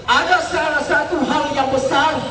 ada salah satu hal yang besar